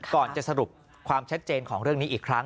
ก่อนจะสรุปความชัดเจนของเรื่องนี้อีกครั้ง